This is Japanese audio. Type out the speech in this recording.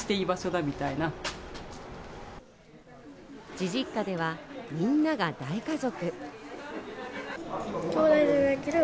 じじっかではみんなが大家族。